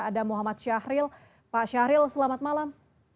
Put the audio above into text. ada muhammad syahril pak syahril selamat malam